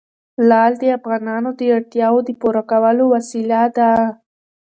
لعل د افغانانو د اړتیاوو د پوره کولو وسیله ده.